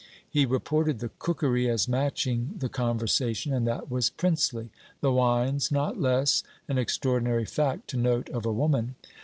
He reported the cookery as matching the conversation, and that was princely; the wines not less an extraordinary fact to note of a woman.